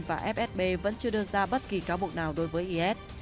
và fsb vẫn chưa đưa ra bất kỳ cáo buộc nào đối với is